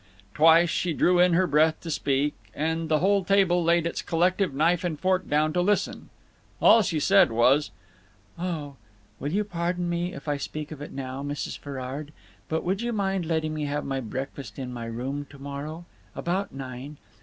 Twice she drew in her breath to speak, and the whole table laid its collective knife and fork down to listen. All she said was: "Oh, will you pardon me if I speak of it now, Mrs. Ferrard, but would you mind letting me have my breakfast in my room to morrow? About nine?